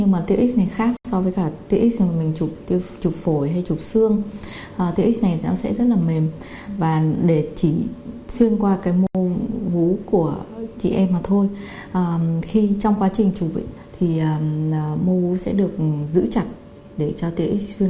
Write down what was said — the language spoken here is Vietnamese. mời quý vị cùng theo dõi